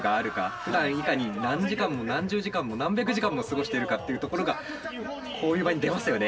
ふだんいかに何時間も何十時間も何百時間も過ごしてるかっていうところがこういう場に出ますよね。